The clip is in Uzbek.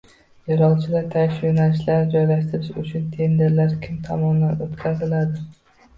Yo‘lovchilar tashish yo‘nalishlarini joylashtirish uchun tenderlar kim tomonidan o‘tkaziladi?